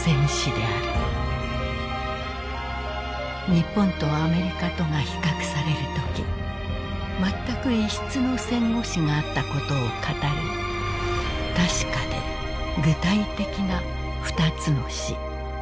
「日本とアメリカとが比較されるときまったく異質の戦後史があったことを語るたしかで具体的な二つの死」。